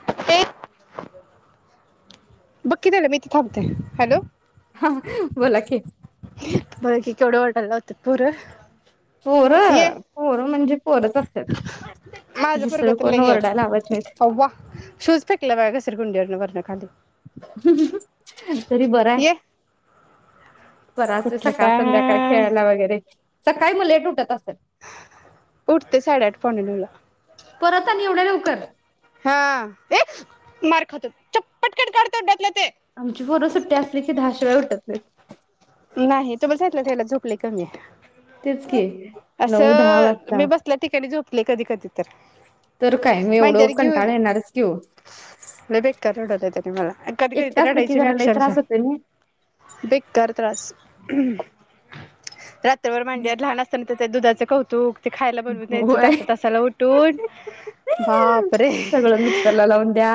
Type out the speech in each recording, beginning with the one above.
[inaudible] ते बघ की त्याला मी इथे थांबते हॅलो हा बोला की, बघ की केवढं वरडायला लावत्यात पोर पोर पोरं म्हणजे पोरच असतात. माझ पोरग दुसरं तर लई कोण ये ओरडायला लावत अव्वा शूज फेकल बघा घसर गुंडीवरन वरन खाली तरी बरं हाय रिकामा ऑडिओ ये [inaudible] स्वराज च कुठलं सकाळ संध्याकाळी काय खेळायला वगैरे सकाळी मग लेट उठत अस उठते साडेआठ पावणेनऊ ला कर हा ए मार खातो पटकन काढ तोंडातल ते आमची पोरं सुट्टी असली की दहाशिवाय उठत नाहीत. नाही तुम्हीच सांगितले याला झोप लई कमी तेच की हाय नऊ दहा असं वाजता मी बसल्या ठिकाणी झोप ले कधी कधी तर तर काय मी एवढं मांडीवर घेऊन कंटाळ येणारच की ओ [unintelligible] मला आणि कधी कधी एकटं तर असलं की रडायची मी जरा लई त्रास अक्षरशः होतोय नाही. बेकार रिकामा ऑडिओ [inaudible] [inaudible] रा तोवर मांडीवर लहान असतान त त्या दुधाचं कौतुक ते खायला बनवून द्यायचं होय. तासा तासाला उठून बाप रे सगळं मिक्सरला लावून द्या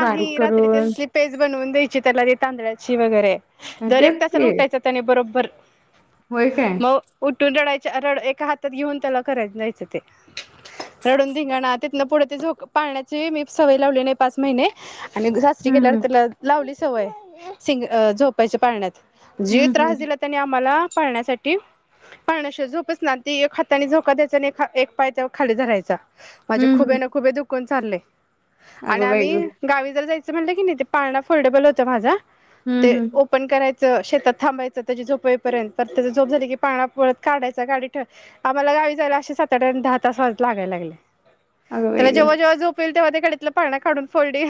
बारीक रात्री ते करून तसली पेज बनवून द्यायची त्याला तांदळाची वगैरे दर एक तेच तासाला की उठायचे त्याने बरोबर होय काय म उठून रढाय च्या रडा एका हातात घेऊन त्याला कराय जायचं ते रडून धिंगाणा तिथंन पुढे झोका ती पाळण्याची सवय लावली नाही मी पाच महिने आणि सासरी हं, गेल्यावर हं. त्याला लावली सवय सिंग झोपायची पाळण्यात जे हं, त्रास हं. दिला त्याने आम्हाला पाळण्यासाठी पाळण्याशिवाय झोपच ना ती एक हातानी झोका द्यायचा आणि एक हा एक पाय त्यावर खाली धरायचा माझे हं, खुबे हं. न खुबे दुखून चालय आणि अगं बाई आम्ही गं! गावी जर जायच अस म्हटलं की नाय ते पाळणा फोल्डेबल होतं माझा हूं ते हूं ओपन करायचं शेतात थांबायचं तेजी झोप होईपर्यंत परत त्याची झोप झाली की पाकणा परत काढायच गाडीत ठेव आम्हाला गावी जायला असं सात आठ आणि दहा तास वाज लागाय लागले. अगं बाई त्याला जेव्हा गं! जेव्हा झोप येइल तेव्हा ते कडीतला पाळणा काढून फोल्डी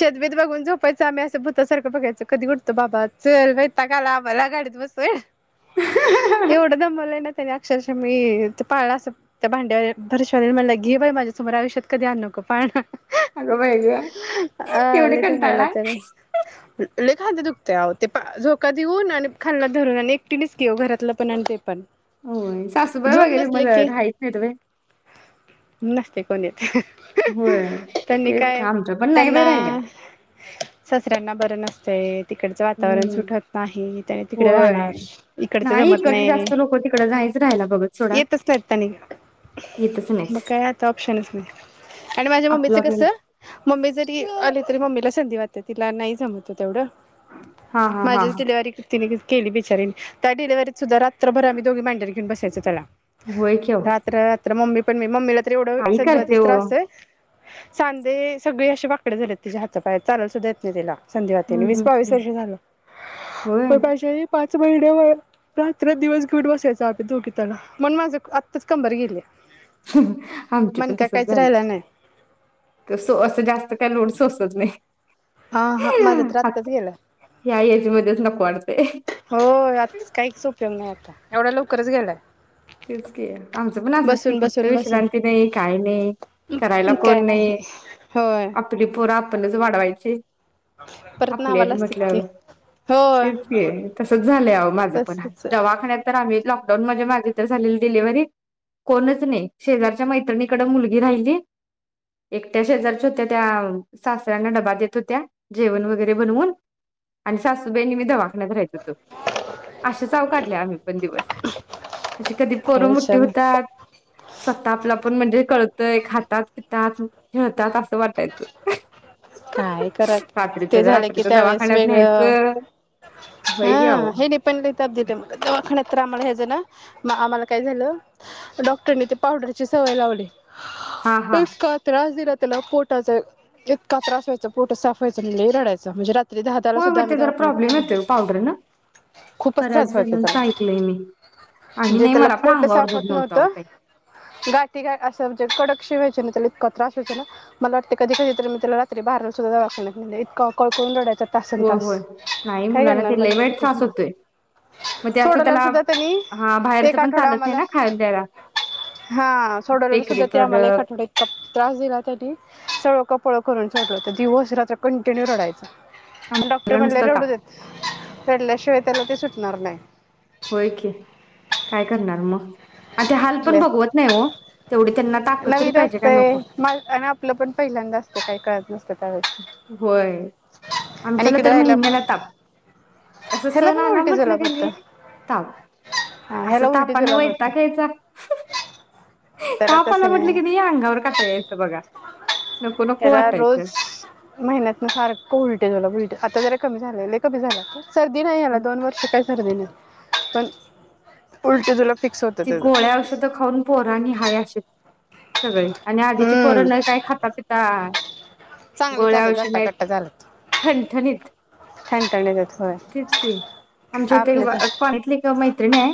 छतबीत बघून झोपायचं आम्ही असं भूतसारख बघायचो कधी उठतय त बाबा चल वैताक आलाय आम्हाला गाडीत बसूनं एवढ दमवलय ना त्याने अक्षरशः मी ते पाळणा असं त्या भांड्या भरशवालीने म्हणलं घे बाई माझ्यासमोर आयुष्यात कधी आनू नको पाळणं आगं बाई गं येवढं कंटाळलाय लई खांद दुख ते आहो ते पा झोका देऊन आणि खालणं धरून आणि एकटीनेच की ओ घरातलं पण आणि ते पण होय सासूबाई झोप वगैरे नसले मला की राहित नाहीत व्हय नसते कोण येत व्हय त्यांनी तेच की काय आमच्या पण नाही त्यांना बाई राहिल्या ते नसतय तिकडचं वातावरण हं. सुट होत नाही तरी तिकडे राहणार होय. इकडच जमत इकडची नाही जास्त लोकं तिकडं नाहीच राहायला बघत सोडा. येतच नाही आणि येतच नाहीत. मग काय आता ऑप्शनच नाही आणि माझ्या आपलं मम्मीच आपलं कस मम्मी जरी आली तरी मम्मीला संधीवात आहे तिला नाही जमत ये तेवढं हां, हां, हां, माझीच हां. डिलेवारी किती केली बिचारीन त्या डिलेवारीत सुद्धा रात्रभर आम्ही दोघी मांडीवर घेऊन बसायच त्याला होय की अहो. रात्र रात्र मम्मी पण मी मम्मीला तर एवढा वेळ आई करते संधीवातीच ओ. त्रासये सांधे सगळे अशे वाकडे झालेत तिच्या हातापायाचे चालायला सुद्धा येत नाय तिला संध्या तेन हं, वीस हं, वीस हं. वर्षे झालं होय. पण माझी आई पाच बेडवर रात्र दिवस घेवून बसायचो आम्ही दोघी त्याला म्हणून माझं आत्ताच कंबर गेलिया आमच पण तसच झालं राहिला नाही कसं असं जास्त काय लोड सोस [inaudible] हा हा माझा तर आता आत्ताच गेलाय या एज मध्येच नको वाडत होय आता च काहीच उपयोग नाही आता एवढा लवकरच गेलाय तेच की आमचं पण असंच की बसून कुठ तरी बसून विश्रांती बसून नाही काय नाही करायला कोण नाही होय आपली पोरं आपणच वाढवायची. परत आपली आहेत नावाला असतात की. म्हंटल्यावर होय तेच की तसच झालंय अओ माझं पण तसच दवाखान्यात तर आम्हीच लाग् दोन म्हणजी माझी नंतर झालेली डिलव्हरी कोणच नाही शेजारच्या मैत्रिणीकड मुलगी राहिली एकट्या शेजारच्या होत्या त्या सासऱ्यांना डबा देत होत्या जेवण वगैरे बनवुन आणि सक् सासूबाई आणि मी दवाखाण्यात राहित होतो असेच अओ काढले आम्ही पण दिवस अशी कधी काय पोरं मोठी विचार नाही होतात स्वतः आपला आपण म्हणजे कळत तय् खातात, पिकात, खेळतात असं वाटायचं. काय करा रात्रीच ते झालं की रात्रीच त्यावेेळेस दवाखान्यात वेगळ न्यायचं होय की हां अहो ह्यांनी पण लय तब्येतमुळ दवाखान्यात तर आम्हाला ह्याज ना म् आम्हांला काय झालं डॉक्टरने ते पावडरची सवय लावली. हा हा इतका त्रास दिलाय त्याला पोटाचा एत् का त्रात्स व्हायचा पोटच साफ व्हायच नाय आणि लय रडायच म्हणजे रात् तरी दादा ला होय सुद्धा होय आम्ही ते जरा दवाखान्यात प्रॉब्लेम नेलं येतोय पावडर न खूपच त्रास बऱ्याच व्हायचा जणांच त्याला ऐकलंय मी आम्ही म्हणजे नाही त्याला मला पण पोट अंगावर साफ दूध होत अहो नव्हतं ताई गाठी असं म्हणजे कडक शी व्हा त्यामुळे तेला इतका त्रास व्हायचा ना मला वाटत कधी कधी तर मी त्याला रा्त्री रात्री बाराला सुद्धा दवाखान्यात नेलय इतका कळकळून रडायचा. चा तासन होय तास होय नाही काय मुलांना करणार ते मग लय त्या वाईट त्रास सिस्टरनी होतोय मग ते असं सोडल्यावर त्याला सुद्धा त्यांनी हा एक बाहेरचं पण आठवडा चालत नाही आम्हाला ना खायला द्यायला हा सोडल्यावर बेकरी सुद्धा ते आम्हाला एक प्रोडक्ट आठवडा इतका त्रास दिला त्यांनी सळो की पळो केलं करून दिवस रात्र कंन्टिन्यू रडायचा डॉक्टर आमटीला म्हणले नुसता रडू ताप देत. चढल्याशिवाय त्याला ते सुटणार नाही होय की काय करणार मग? आणि ते हाल पण ले. बघवत नाही ओ तेवढी त्यांना ताकत तरी नवीन पाहिजे काय असतंय नको काय कळत नसतं त्यावेळेस होय आणि आमच्याला इकडे तर राहिला मग महिन्याला ताप असं ह्याला सण पण आला उलटी म्हटलं जुलाब कनी होतं ताप हा असं ह्याला उलटी तापनं जुलाब होतं वैताग यायचा त्याला ताप आला तसं म्हटलं की नाही या अंगावर काटा यायचं बघा नको नको ह्याला वाटायचं रोज महिन्यातनं सारखं उलटे जुलाब उलटे आता जरा कमी झालंय लय कमी झालं आता् सर्दी नाही याला दोन वर्ष काय पण उल्ट तुला फिक् ती गोळ्या औषध खाऊन पोर आणि हाय अस् सगळी आणि आधीची पोर हम्म न काय खाता पिता हांआ् चांगले झाले गोळ्याऔषध आहेत दट्टाकट्टा झालं ठणठणीत ठणठणे देत होय तेच कि आमच्या इथं आपले तर काॅलनीतली एक मैत्रिणी आहे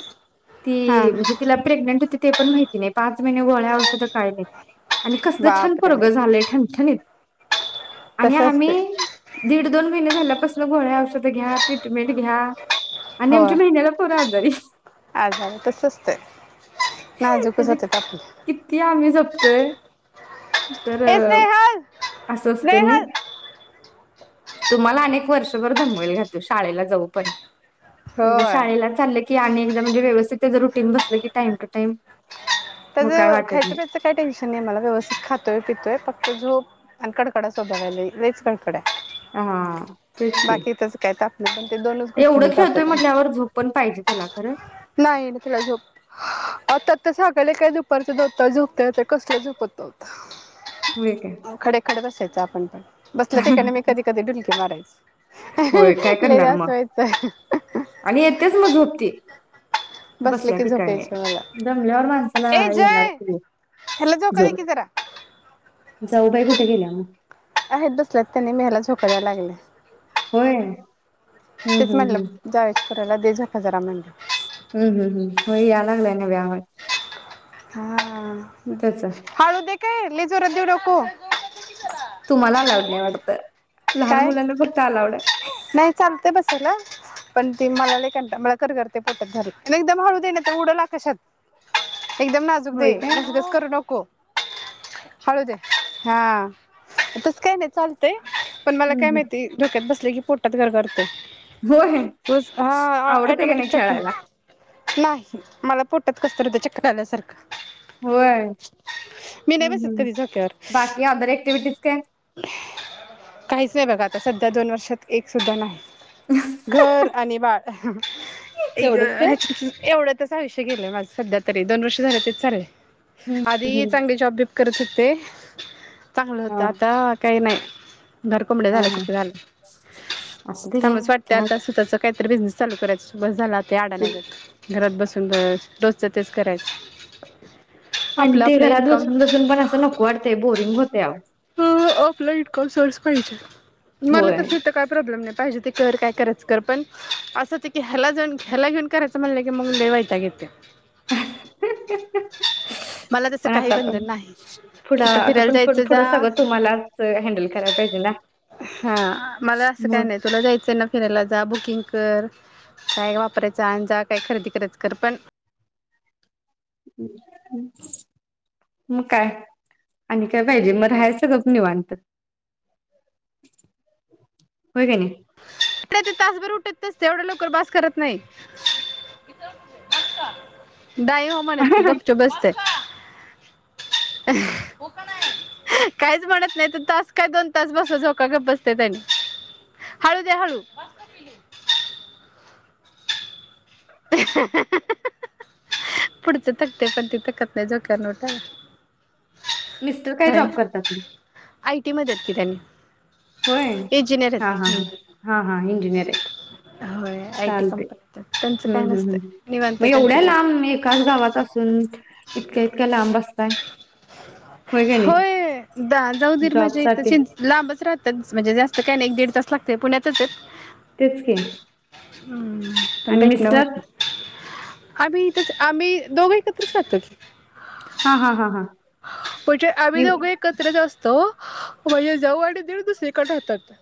ती? हां म्हणजे तिला प्रेग्नंट होती ती ते पण माहिती नाही पाच महिने गोळ्या औषध काय नाही आणि कसलं छान बापरे पोरग झालंय ठणठणीत. आणि तसं आम्ही असते दीड दोन महिने झाल्या कसलं गोळ्या औषध घ्या, ट्रीटमेंट घ्या. आणि होय आमच्या महिन्याला पोर आजारी. आजार तसं असते नाजूकच त्याचे होते आपले किती आम्ही जपतोय. तर ए स्नेहल असं असतंय स्नेहल नय? तुम्हाला अनेक वर्षभर दमवेल घातलं शाळेला जाऊपर्यंत. एकदा होय शाळेला चाललं की आणि एकदा म्हणजे व्यवस्थित रुटीन बसलं की टाइम टू टाइम त्याच मग काय वाटत खायचं नाही प्यायचं काही टेन्शन नाही मला व्यवस्थित खातोय पितोय फक्त अन कडकड सो बगाले व्हेच कडाय हा तेच की बाकीतस काय ता [unintelligible] एवढं खेळतोय म्हटल्यावर झोप पण पाहिजे त्याला खरं. नाही ना तेला झोप, आता तर सगले काय दुपारच झोपता झोपताय येतंय कसलं झोपत होय काय नव्हता. खडे खडे बसायचं आप पंत बसल्या ठीकाणी मी कधी होय कधी डुलकी मारायच काय लई करणार वेळा अस मग व्हायच. आणि येतेच मग झोप ती. बसले बसल्या की झोप ठिकाणी यायची मला दमल्यावर माणसाला ए येणार जय की, ह्याला झोका दे झोप की जरा जाऊबाई कुठे गेल्या म? आहेत बसल्यात त्यानी मी हेला झोक कराय लागल्या. होय. तेच म्हनलं जायच करायला लई झपा झप हम्म-हम्म-हम्म होय यालांगलाय. [unintelligible] हा हळूदे काय लई जोरात देवू नको तुम्हाला लाड नाहीये वाटतं? लहान काय मुलांना फक्त आलावड आहे. ते बसायला, पण ते मला लई कंट मला गरगरतय पोटात घारीत, लय दम हळू दे नाय तर उडल आकाशात. एकदम नाजूक दे होय काय? घस घस करू नको. हळूद्या हा तस काय नाही चालतंय... पण मला हम्म काय हम्म माहिती डोक्यात बस की पोटात गर गर तय. होय. आवडतय का ऑटोमॅटिक नाही खेळायला? चक्कर नाही मला पोटत कसतत चक्कर आल्यासारखं.... होय मी नाही हम् बसत हम् कधी झोक्यावर बाकी अदर अँक्टिव्हिटी काय? काहीच नाही बघा आता सध्या दोन वर्षात एक सुद्धा नाही. घर आणि बाळ अ हा ह आई ग तेवढंच काय? ॲटीट्यूड एवढ्यातच आयुष्य गेलंय माझ सध्या तरी दोन वर्ष झालं तेच चारले. हम्म अधी हम्म चांगली जॉब बिब करत हुते. चांगलं हा होतं आता काही नाही. घर कोंबड्या हा हा. झाल्यासारखं झालय. असू दे घ्या त्यामुळं वाटतय काय आता स्वतःच काहीतरी बिझनेस चालू करायचं बस झाल आता ते अडण्यागत घरात बसून... रोजच तेच करायचं. आणि आपलं ते आपलं घरात इन्कम बसून बसून पण असं नको वाटतेय बोरिंग होतय आव हम्म ऑफलाईट कोर्सेस पाहिजे. मला होय. तस हित काय प्रॉब्लेम नाही. पाहिजे ते कर, काय करायचं कर पण असं होत की ह्याला जाऊन ह्याला घेऊन करायचं म्हणलं की मग लय वैताग येतोय. मला तस पण काही आता पण बंधन नाही. पुढं कुठं आता फिरायला पण पण जायचं पुढं सगळं तुम्हालाच हँडल करायला पाहिजे ना. हा मला असं काही मग नाही तुला जायचं आहे ना फिरायला जा बुक कुकिंग कर, काय वापरायचं आणज, काय खरेदी करायचं कर पण मग काय आणि काय पाहिजे मग राहायचं गप निवांत. होय कणी? ती तासभर उठत नसत्या एवढ्या लवकर बास करत नाही बास का? नाही हो म्हणत ते गुपचुप बसतय. ह काहीच म्हणत नाही त तास काय दोन तास बस झोका गप बसते त्यानी हळू द्या हळू. बास कर की पुढचे थकते पण ती थकत नाही झोक्यावरून उठायला... मिस्टर काय जॉब करतात... कि त्यांनी... होय इंजिनियर हा हा हा आहेत हा हा इंजिनिअरेत हो आय टी कंपनी त्यांच... हम्म हम्म हम् म एवढ्या लांब एकाच गावात असून इतक होय की नाही होय जा जाऊ दिर माझे जॉबसाठी लांबच राहतात म्हणजे जास्त काय नाही एक दीड तास.. फक्ते पुण्यातचेत तेच की हम्म पण आणि भेटण मिस्टर होत... आम्ही इथंच आम्ही दोघं एकत्रच राहातो की... हा हा हा हा म्हणजे आम्ही मी दोघं एकत्रच असतो... म्हणजे जाऊ आणी दिर बस एकञ राहतात...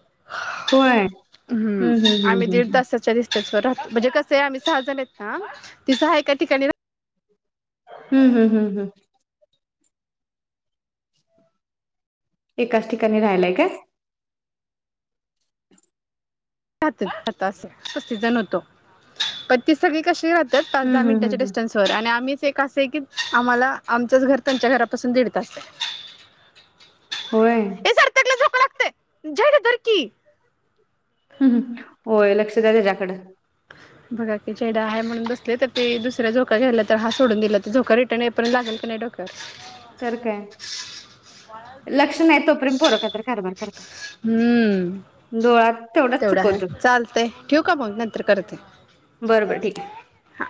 होय हम्म हम्म आम्ही हम्म दीड हम्म हम्....... तासाच्या म्हणजे कसं आहे आम्ही सहाजण आहेत ना ती सहा एका ठिकाणी राह... हम्म हम्म हम्म हम्म एकाच ठिकाणी राहिलाय काय? अस पस्तीस जण होतो पण ती सगळी कशी हम्म पाचदहा हम्म हम्म मिनटाच्या हम्म. डिस्टन्स वर आणि आम्ही असं आहे की आम्हाला आमचच घर त्यांच्या घरापासून दीड तास आहे... होय हम्म झाड धर की हम् हम् होय लक्ष द्या त्याच्याकडं... बघा की चेडा आहे म्हणून बसले तर ते दुसऱ्या झोका घ्यायला तर हा सोडून दिला तर झोका रिटर्न येईपर्यंत लागेल की नाही डोक्याला... तर काय लक्ष नाही तोपर्यंत पोरं काय... [unintelligible] हम्म डोळा तेवढाच तेवढा हाय चुकवतो चालतंय ठेवू का मग नंतर करते बरं बरं ठीक आहे हा